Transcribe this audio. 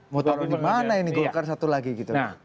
mau taruh di mana ini golkar satu lagi gitu